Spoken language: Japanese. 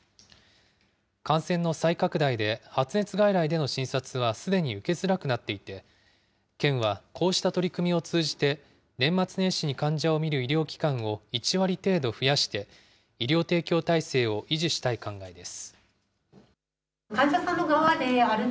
感染の再拡大で発熱外来での診察はすでに受けづらくなっていて、県はこうした取り組みを通じて、年末年始に患者を診る医療機関を１割程度増やして、医療提供体制を維持したい考えです。